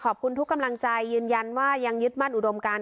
ขอบคุณทุกกำลังใจยืนยันว่ายังยึดมั่นอุดมการ